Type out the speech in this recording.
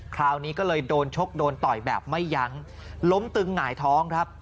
คราวนี้ก็เลยโดนชกโดนต่อยแบบไม่ยั้งล้มตึงหงายท้องครับ